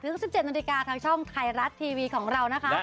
ถึง๑๗นทางช่องไทยรัสทีวีของเรานะคะ